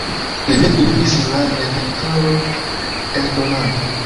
Li mem iĝis la redaktoro-eldonanto.